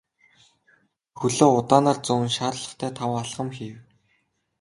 Би хөлөө удаанаар зөөн шаардлагатай таван алхам хийв.